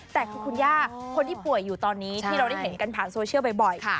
แต่คือคุณย่าคนที่ป่วยอยู่ตอนนี้ที่เราได้เห็นกันผ่านโซเชียลบ่อย